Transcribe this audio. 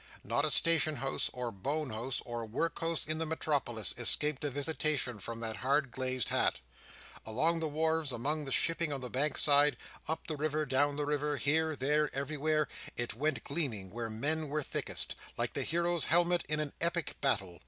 Not a station house, or bone house, or work house in the metropolis escaped a visitation from the hard glazed hat. Along the wharves, among the shipping on the bank side, up the river, down the river, here, there, everywhere, it went gleaming where men were thickest, like the hero's helmet in an epic battle.